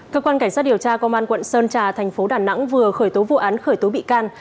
cơ quan cảnh sát điều tra công an quận sơn trà thành phố đà nẵng vừa khởi tố vụ án khởi tố bị can